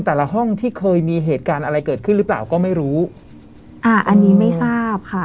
ห้องที่เคยมีเหตุการณ์อะไรเกิดขึ้นหรือเปล่าก็ไม่รู้อ่าอันนี้ไม่ทราบค่ะ